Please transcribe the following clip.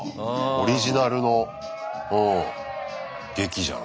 オリジナルの劇じゃん。